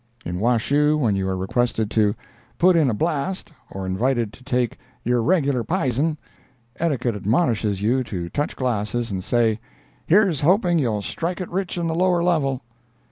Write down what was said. In Washoe, when you are requested to "put in a blast," or invited to take "your regular pison," etiquette admonishes you to touch glasses and say, "Here's hoping you'll strike it rich in the lower level."